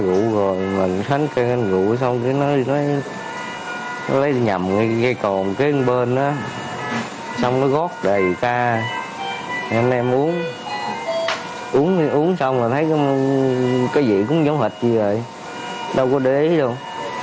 uống xong là thấy cái vị cũng giống hệt gì vậy đâu có đế luôn